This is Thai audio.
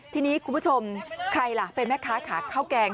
ทีนี้คุณผู้ชมใครล่ะเป็นแม่ค้าขาข้าวแกง